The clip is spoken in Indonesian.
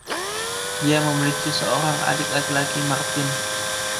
Dia memiliki seorang adik laki-laki, Martin.